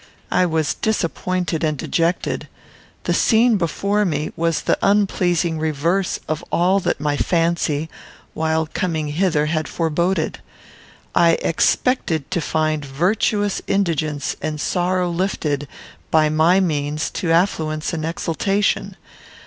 I was disappointed and dejected. The scene before me was the unpleasing reverse of all that my fancy, while coming hither, had foreboded. I expected to find virtuous indigence and sorrow lifted, by my means, to affluence and exultation.